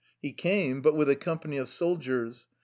He came, but with a company of soldiers.